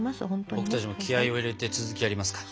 僕たちも気合を入れて続きやりますか。